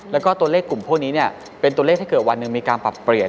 แล้วก็ตัวเลขกลุ่มพวกนี้เป็นตัวเลขถ้าเกิดวันหนึ่งมีการปรับเปลี่ยน